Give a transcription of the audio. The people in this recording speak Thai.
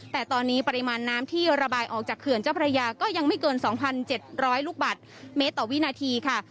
แต่ตอนนี้ปริมาณน้ำที่ระบายออกจากเขื่อนเจ้าพระยาก็ยังไม่เกิน๒๗๐๐ลูกบาทเมตรต่อวินาทีค่ะ